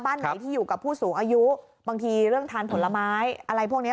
ไหนที่อยู่กับผู้สูงอายุบางทีเรื่องทานผลไม้อะไรพวกนี้